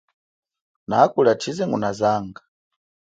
Na kulia chize ngunazanga.